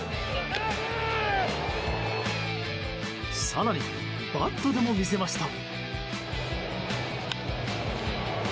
更にバットでも見せました。